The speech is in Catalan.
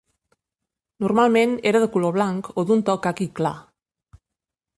Normalment era de color blanc o d'un to caqui clar.